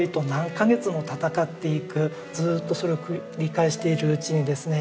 ずっとそれを繰り返しているうちにですね